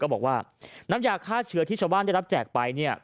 บอกว่าน้ำยาฆ่าเชื้อที่ชาวบ้านได้รับแจกไปเนี่ย